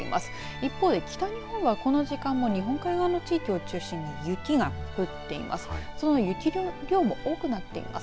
一方で北日本はこの時間も日本海側の地域を中心に雪が降っています。